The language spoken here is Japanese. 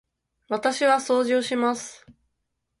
私は掃除をします。